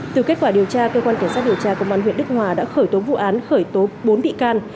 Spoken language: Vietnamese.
từ kết quả điều tra cơ quan cảnh sát điều tra công an huyện đức hòa đã khởi tố vụ án khởi tố bốn bị can